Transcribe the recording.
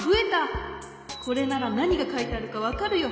これならなにがかいてあるかわかるよ。